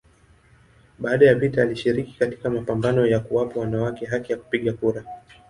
Baada ya vita alishiriki katika mapambano ya kuwapa wanawake haki ya kupiga kura.